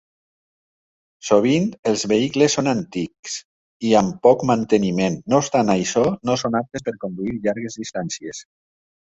Sovint els vehicles són antics i amb poc manteniment, no obstant això, no són aptes per conduir llargues distàncies.